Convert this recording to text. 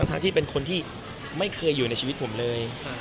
ทั้งที่เป็นคนที่ไม่เคยอยู่ในชีวิตผมเลย